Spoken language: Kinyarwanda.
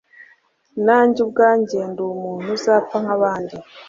Nanjye ubwanjye ndi umuntu uzapfa nk’abandi,